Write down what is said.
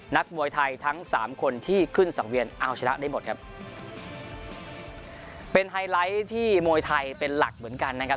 นักมวยไทยทั้งสามคนที่ขึ้นสังเวียนเอาชนะได้หมดครับเป็นไฮไลท์ที่มวยไทยเป็นหลักเหมือนกันนะครับ